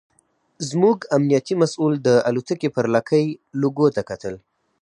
زموږ امنیتي مسوول د الوتکې پر لکۍ لوګو ته کتل.